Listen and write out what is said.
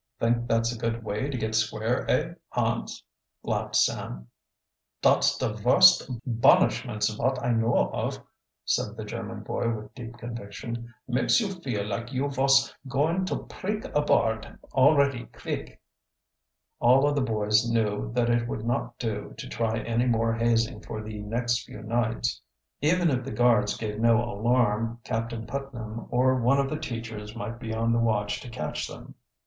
"Think that's a good way to get square, eh, Hans?" laughed Sam. "Dot's der vorst bunishments vot I know of," said the German boy with deep conviction. "Makes you feel like you vos going to preak abard alretty kvick!" All of the boys knew that it would not do to try any more hazing for the next few nights. Even if the guards gave no alarm, Captain Putnam or one of the teachers might be on the watch to catch them.